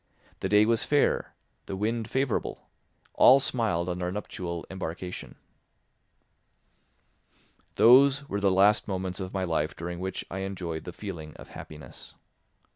The day was fair, the wind favourable; all smiled on our nuptial embarkation. Those were the last moments of my life during which I enjoyed the feeling of happiness.